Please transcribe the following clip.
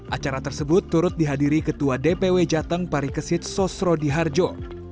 acara tersebut turut dihadiri ketua dpw jateng parikesit sosro diharjo